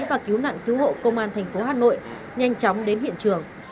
và cứu nạn cứu hộ công an thành phố hà nội nhanh chóng đến hiện trường